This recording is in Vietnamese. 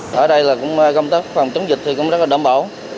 phòng chống dịch thì cũng rất là đảm bảo